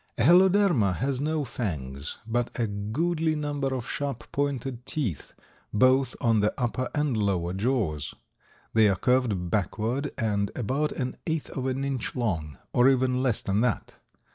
A Heloderma has no fangs, but a goodly number of sharp, pointed teeth, both on the upper and lower jaws. They are curved backward and about an eighth of an inch long, or even less than that.